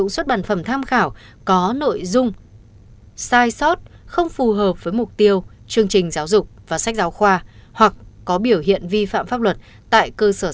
xin chào và hẹn gặp lại